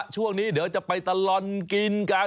ช่วงนี้เดี๋ยวจะไปตลอดกินกัน